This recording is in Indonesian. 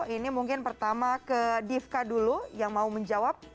ini mungkin pertama ke divka dulu yang mau menjawab